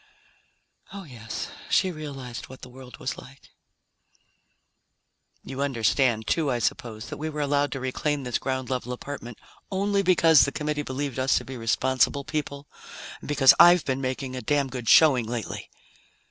Oh, yes, she realized what the world was like. "You understand, too, I suppose, that we were allowed to reclaim this ground level apartment only because the Committee believed us to be responsible people, and because I've been making a damn good showing lately?"